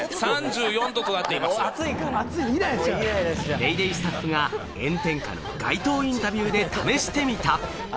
『ＤａｙＤａｙ．』スタッフが炎天下の街頭インタビューで試してみた。